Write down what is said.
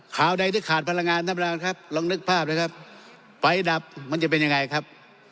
ข่าวใดที่ขาดพลังงานท่านประธานครับลองนึกภาพนะครับไฟดับมันจะเป็นยังไงครับ